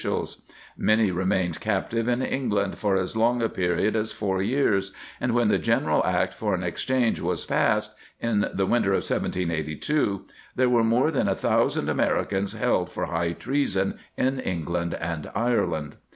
190 ] Hospitals and Prison Ships Many remained captive in England for as long a period as four years, and when the general act for an exchange was passed, in the winter of 1782, there were more than a thousand Americans held for high treason in England and Ireland.